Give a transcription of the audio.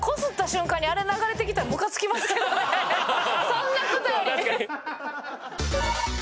そんな事より。